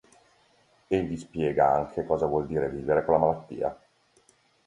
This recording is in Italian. Egli spiega anche cosa vuol dire vivere con la malattia.